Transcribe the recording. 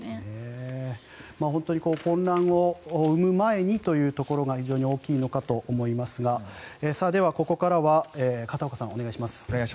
本当に混乱を生む前にというところが非常に大きいのかと思いますがではここからは片岡さん、お願いします。